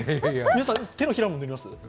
皆さん、手のひらも塗ります？